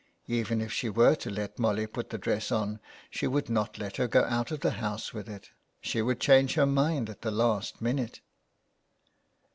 Even if she were to let Molly put the dress on, she would not let her go out of the house with it. She would change her mind at the last minute.